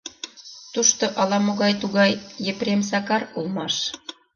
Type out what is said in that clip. Тушто ала-могай тугай Епрем Сакар улмаш.